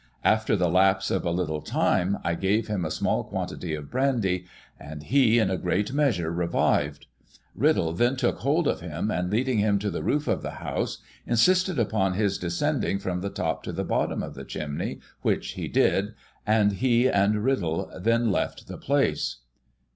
After the lapse of a little time, I gave him a small quantity of brandy, and he, in a great measure, revived ; Riddle then took hold of him, and leading him to the roof of the house, insisted upon his descending from the, top to the bottom of the chimney, which he did, and he and Riddle then left the place.